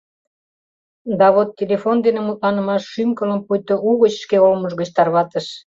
Да вот телефон дене мутланымаш шӱм-кылым пуйто угыч шке олмыж гыч тарватыш.